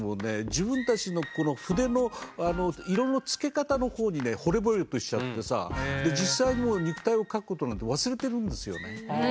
自分たちのこの筆の色のつけ方のほうにねほれぼれとしちゃってさで実際もう肉体を描くことなんて忘れてるんですよね。